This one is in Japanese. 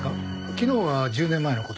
昨日は１０年前の事を。